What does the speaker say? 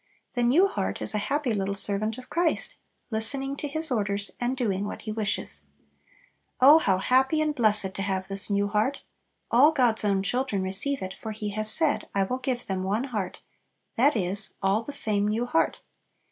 The new heart is a happy little servant of Christ, listening to His orders, and doing what He wishes. Oh how happy and blessed to have this new heart! All God's own children receive it, for He has said, "I will give them one heart;" that is, all the same new heart.